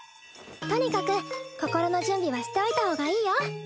とにかく心の準備はしておいたほうがいいよ